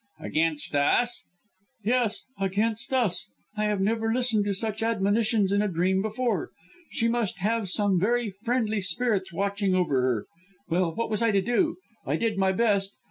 "Against us!" "Yes, against us! I have never listened to such admonitions in a dream before. She must have some very friendly spirits watching over her. Well! what was I to do? I did my best.